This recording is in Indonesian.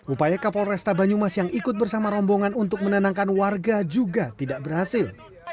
upaya kapolresta banyumas yang ikut bersama rombongan untuk menenangkan warga juga tidak berhasil